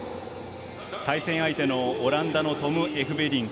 対戦相手のオランダのトム・エフベリンク。